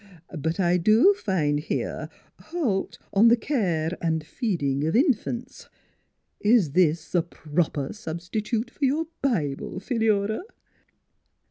But I do find here ' Holt on the Care an' Feedin' of Infants.' Is this a proper sub stitute for your Bi ble, Phi lura?"